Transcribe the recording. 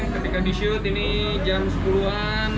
ketika di shoot ini jam sepuluh an